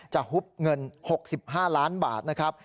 ฮุบเงิน๖๕ล้านบาทนะครับ